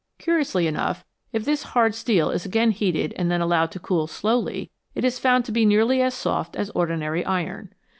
Curiously enough, if this hard steel is again heated and then allowed to cool slowly, it is found to be nearly as soft as ordinary iron.